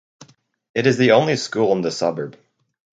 It is the only school in the suburb.